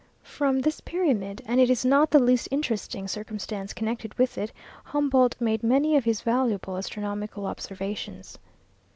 From this pyramid, and it is not the least interesting circumstance connected with it, Humboldt made many of his valuable astronomical observations.